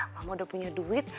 mama udah punya duit